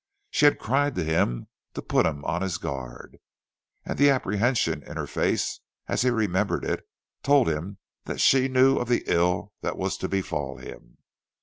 She had cried to him to put him on his guard, and the apprehension in her face as he remembered it told him that she knew of the ill that was to befall him.